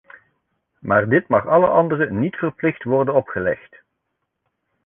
Maar dit mag alle anderen niet verplicht worden opgelegd.